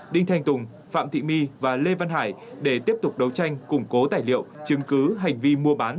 đinh thanh tùng phạm thị my và lê văn hải để tiếp tục đấu tranh củng cố tài liệu chứng cứ hành vi mua bán